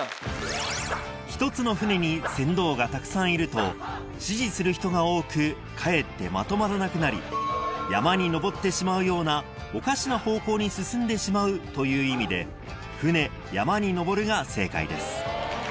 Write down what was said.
１つの船に船頭がたくさんいると指示する人が多くかえってまとまらなくなり山にのぼってしまうようなおかしな方向に進んでしまうという意味で「船山にのぼる」が正解です